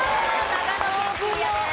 長野県クリアです。